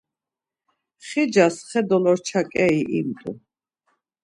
Xicas xe dolorçaǩeri imt̆u.